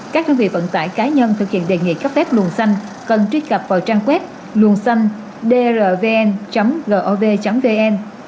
các đơn vị vận tải cá nhân thực hiện đề nghị cấp phép luồng xanh cần truy cập vào trang web luồng xanh drvn gov vn